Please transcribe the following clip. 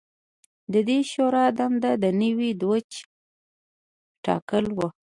د دې شورا دنده د نوي دوج ټاکل و